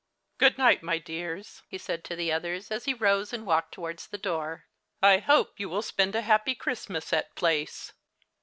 Good niglit, my dears," he said to the others, as he ruse and walked towards the door. " I hope you will spend a happy Christmas at Place.